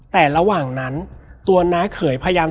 แต่ระหว่างนั้นประหละเขยพยายามทำงานทุกอย่าง